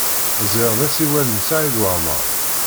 Ẓriɣ d asiwel n Saɛid Waɛmaṛ.